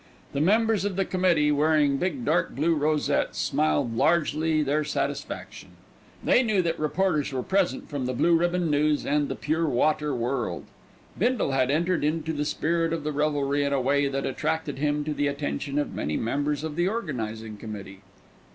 The members of the committee, wearing big dark blue rosettes, smiled largely their satisfaction. They knew that reporters were present from The Blue Ribbon News and The Pure Water World. Bindle had entered into the spirit of the revelry in a way that attracted to him the attention of many members of the organising committee.